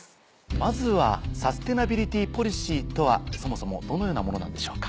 まずはサステナビリティポリシーとはそもそもどのようなものなんでしょうか？